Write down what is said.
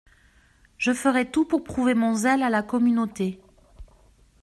Je ferai tout pour prouver mon zèle à la communauté.